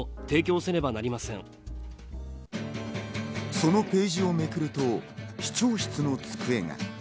そのページをめくると、市長室の机が。